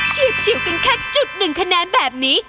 ชิวกันแค่จุดหนึ่งคะแนนแบบนี้